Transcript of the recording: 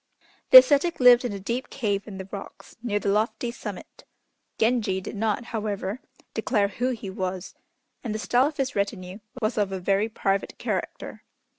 The ascetic lived in a deep cave in the rocks, near the lofty summit. Genji did not, however, declare who he was, and the style of his retinue was of a very private character.